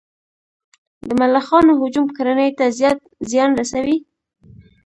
د ملخانو هجوم کرنې ته زیان رسوي؟